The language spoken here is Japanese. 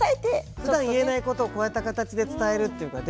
ふだん言えないことをこうやった形で伝えるっていうかね。